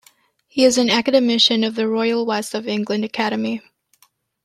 He is an academician of the Royal West of England Academy.